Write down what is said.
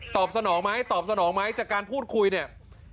สนองไหมตอบสนองไหมจากการพูดคุยเนี่ย